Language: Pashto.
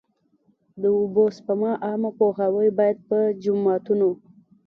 د اوبو سپما عامه پوهاوی باید په جوماتونو.